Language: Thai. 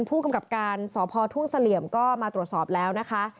ผู้กำกับการสพทุ่งเสลี่ยมก็มาตรวจสอบแล้วนะคะ